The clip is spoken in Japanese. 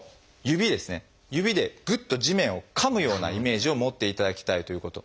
指でぐっと地面をかむようなイメージを持っていただきたいということ。